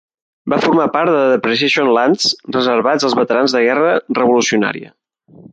Va formar part de Depreciation Lands, reservats als veterans de la guerra revolucionària.